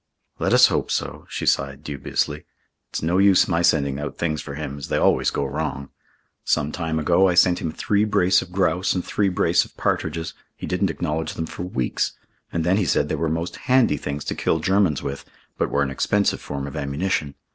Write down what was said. "Let us hope so," she sighed dubiously. "It's no use my sending out things for him, as they always go wrong. Some time ago I sent him three brace of grouse and three brace of partridges. He didn't acknowledge them for weeks, and then he said they were most handy things to kill Germans with, but were an expensive form of ammunition.